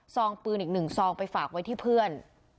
องปืนอีกหนึ่งซองไปฝากไว้ที่เพื่อน